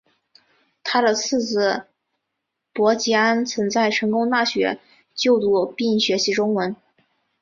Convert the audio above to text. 他的次子傅吉安曾在成功大学就读并学习中文。